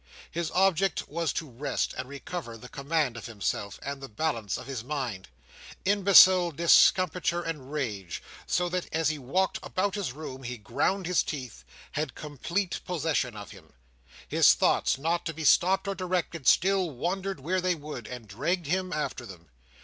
His object was to rest, and recover the command of himself, and the balance of his mind. Imbecile discomfiture and rage—so that, as he walked about his room, he ground his teeth—had complete possession of him. His thoughts, not to be stopped or directed, still wandered where they would, and dragged him after them.